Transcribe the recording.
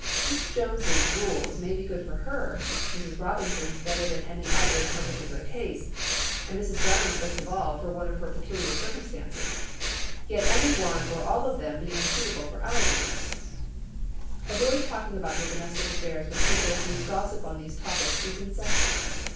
Mrs. Jones' rule may be good for her; Mrs. Robinson's better than any other in her particular case, and Mrs. Brown's best of all for one in her peculiar circumstances; yet any one or all of them be unsuitable for our use. Avoid talking about your domestic affairs with people whose gossip on these topics is incessant.